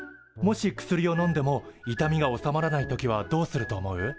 もし薬をのんでも痛みが治まらない時はどうすると思う？